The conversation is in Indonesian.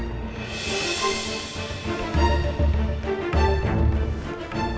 kita harus berhenti